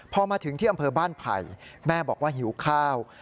พอมาถึงที่อำเภอบ้านไผ่แม่บอกว่าหิวข้าว